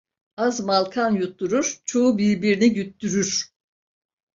Az mal kan yutturur, çoğu birbirini güttürür.